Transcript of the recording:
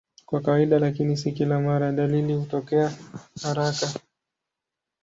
Kwa kawaida, lakini si kila mara, dalili hutokea haraka.